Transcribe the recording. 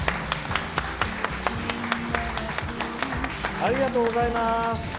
ありがとうございます。